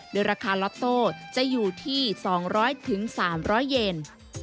โดยราคาล็อตโต้จะอยู่ที่๒๐๐๓๐๐เยน